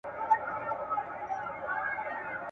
لار یې کړه بدله لکه نه چي زېږېدلی وي ..